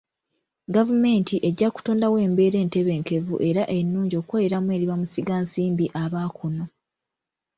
Gavumenti ejja kutondawo embeera entebenkevu era ennungi okukoleramu eri bamusigansimbi aba kuno.